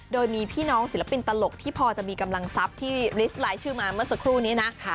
โดยมีพี่น้องศิลปินตลกที่พอจะมีกำลังทรัพย์ที่ลิสต์ไลน์ชื่อมาเมื่อสักครู่นี้นะ